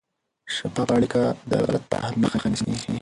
شفافه اړیکه د غلط فهمۍ مخه نیسي.